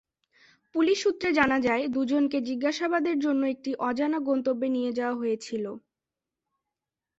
Police সূত্র জানায়, দুজনকে জিজ্ঞাসাবাদের জন্য একটি অজানা গন্তব্যে নিয়ে যাওয়া হয়েছিল।